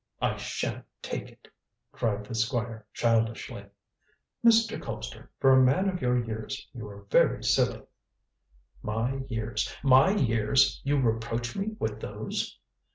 "I shan't take it," cried the Squire childishly. "Mr. Colpster, for a man of your years you are very silly." "My years my years; you reproach me with those!"